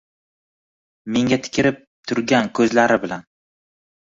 Menga tikilib turgan ko’zlari bilan